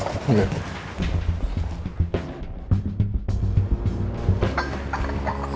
aku mau cari informasi